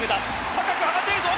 高く上がっているぞ！